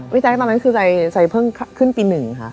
ไม่แจ้งตอนนั้นใส่เพลิงขึ้นปี๑ค่ะ